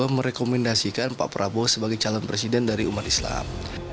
merekomendasikan pak prabowo sebagai calon presiden dari umat islam